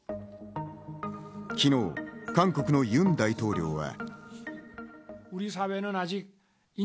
昨日、韓国のユン大統領は。